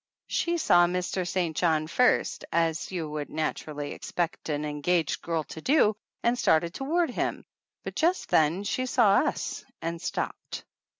She saw Mr. St. John first, as you would naturally expect an engaged girl to do, and started toward him, but just then she saw us and stopped.